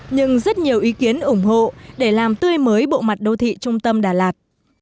nhưng rất nhiều ý kiến ủng hộ để làm tươi mới bộ mặt đô thị trung tâm đà lạt